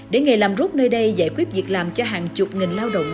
để nghề làm rút nơi đây giải quyết việc làm cho hàng chục nghìn lao động